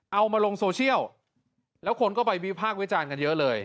เอามาลงโซเชียลแล้วคนก็ไปวิพากษ์วิจารณ์กันเยอะเลย